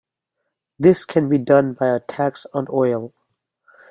This can be done by a tax on oil.